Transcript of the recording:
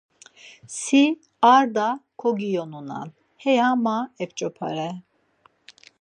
Si ar da kogiyonunan, heya ma ep̌ç̌opare.